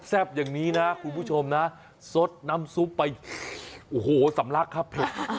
อย่างนี้นะคุณผู้ชมนะสดน้ำซุปไปโอ้โหสำลักครับเผ็ด